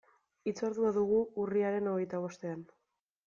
Hitzordua dugu urriaren hogeita bostean.